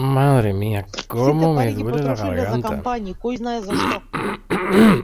Сите пари ги потрошиле за кампањи, којзнае за што.